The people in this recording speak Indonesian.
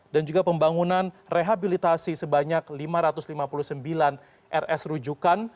dan juga pembangunan rehabilitasi sebanyak lima ratus lima puluh sembilan rs rujukan